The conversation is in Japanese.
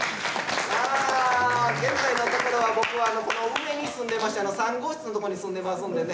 現在のところは僕はこの上に住んでまして３号室のとこに住んでますんでね